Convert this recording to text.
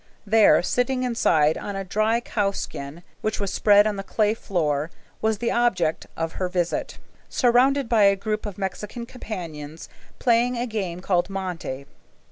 There, sitting inside on a dry cow skin which was spread on the clay floor, was the object of her visit, surrounded by a group of Mexican companions, playing a game called monte.